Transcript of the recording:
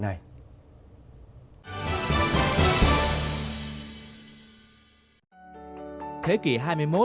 thế kỷ hai mươi một là thế kỷ của văn minh trí tuệ